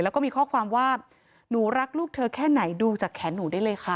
แล้วก็มีข้อความว่าหนูรักลูกเธอแค่ไหนดูจากแขนหนูได้เลยค่ะ